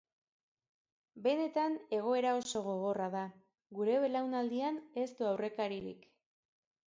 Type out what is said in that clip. Benetan egoera oso gogorra da, gure belaunaldian ez du aurrekaririk.